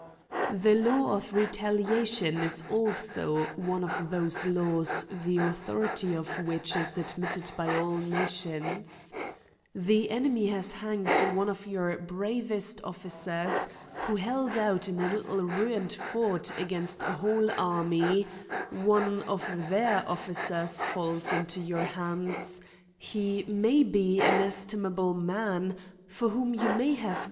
The law of retaliation, is also one of those laws the authority of which is admitted by all nations ^ The enemy has hanged one of your bravest officers, who held out in a little ruined fort against a whole army ; one of their officers falls into your hands ; he may be an estimable man for whom you may have gr.